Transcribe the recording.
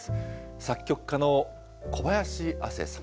作曲家の小林亜星さん。